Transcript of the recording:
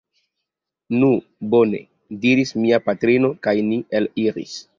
Nu bone! diris mia patrino, kaj ni eliris.